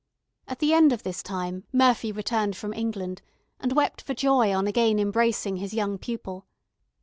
At the end of this time Murphy returned from England, and wept for joy on again embracing his young pupil.